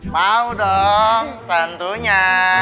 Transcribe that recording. mau dong tentunya